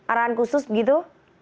arahan khusus begitu